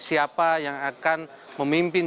siapa yang akan memimpin